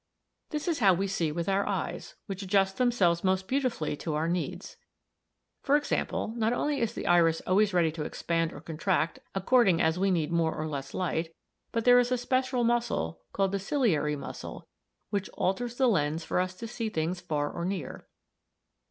"This is how we see with our eyes, which adjust themselves most beautifully to our needs. For example, not only is the iris always ready to expand or contract according as we need more or less light, but there is a special muscle, called the ciliary muscle (cm, Fig. 11), which alters the lens for us to see things far or near.